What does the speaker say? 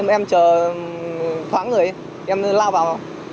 em chờ khoảng người ấy em lao vào